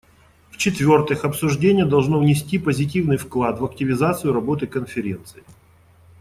В-четвертых, обсуждение должно внести позитивный вклад в активизацию работы Конференции.